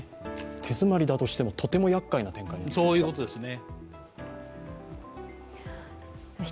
手詰まりだとしても、とてもやっかいな展開ですね。